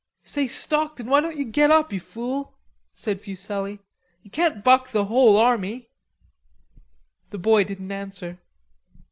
"Say, Stockton, why don't you get up, you fool?"' said Fuselli. "You can't buck the whole army." The boy didn't answer.